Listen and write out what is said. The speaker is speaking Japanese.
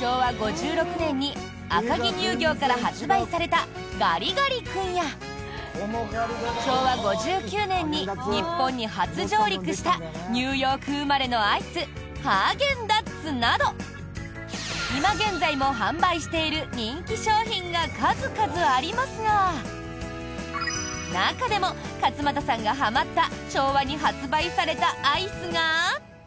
昭和５６年に赤城乳業から発売されたガリガリ君や昭和５９年に日本に初上陸したニューヨ−ク生まれのアイスハーゲンダッツなど今現在も販売している人気商品が数々ありますが中でも勝俣さんがはまった昭和に発売されたアイスが。